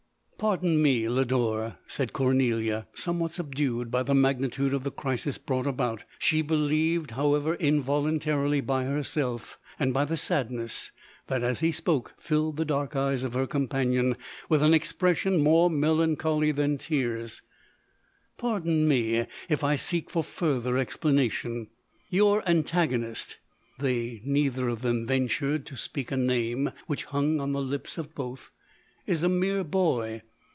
" Pardon me, Lodore," said Cornelia, some what subdued by the magnitude of the crisis brought about, she believed, however involun tarily by herself, and by the sadness that, as he spoke, filled the dark eyes of her companion with an expression more melancholy than tears ;" pardon me, if I seek for further explanation. Your antagonist" (they neither of them ventured T.ODORK. 153 to speak a name, which hung on the lip * of both) " is a mere boy.